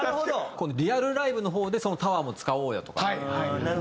今度リアルライブの方でそのタワーも使おうよとか。